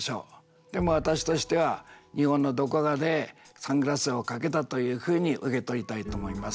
でも私としては日本のどこかでサングラスをかけたというふうに受け取りたいと思います。